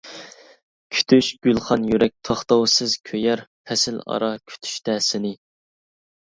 كۈتۈش گۈلخان يۈرەك توختاۋسىز كۆيەر، پەسىل ئارا كۈتۈشتە سېنى.